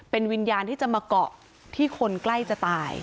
เป็นวิญญาณที่จะมาเกาะที่คนใกล้จะตาย